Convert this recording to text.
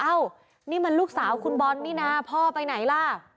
เอ้านี่มันลูกสาวคุณบอลนี่นะพ่อไปไหนล่ะ